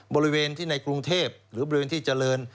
บริเวณที่ในกรุงเทพหรือบริเวณที่เจริญ